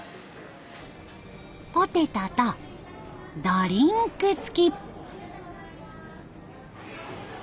ポテトとドリンクつき。